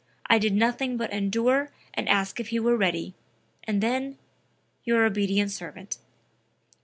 I did nothing but endure and ask if he were ready; and then your obedient servant."